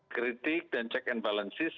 kritik dan check and balances